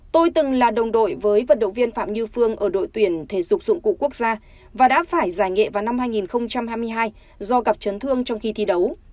tôi từng là đồng đội với vận động viên phạm như phương ở đội tuyển thể dục dụng cụ quốc gia và đã phải giải nhẹ vào năm hai nghìn hai mươi hai do gặp chấn thương trong khi thi đấu